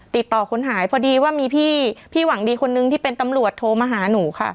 ติดต่อคนหายพอดีว่ามีพี่หวังดีคนนึงที่เป็นตำรวจโทรมาหาหนูค่ะ